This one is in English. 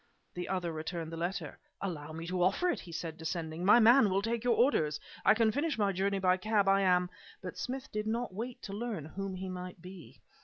The other returned the letter. "Allow me to offer it!" he said, descending. "My man will take your orders. I can finish my journey by cab. I am " But Smith did not wait to learn whom he might be.